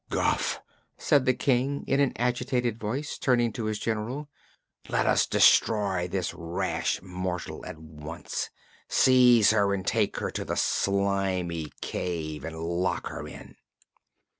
"Guph," said the King in an agitated voice, turning to his General, "let us destroy this rash mortal at once! Seize her and take her to the Slimy Cave and lock her in."